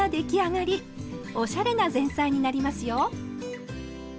おしゃれな前菜になりますよ。